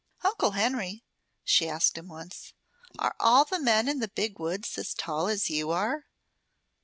"Uncle Henry," she asked him once, "are all the men in the Big Woods as tall as you are?"